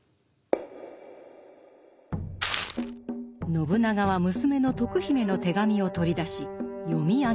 信長は娘の徳姫の手紙を取り出し読み上げた。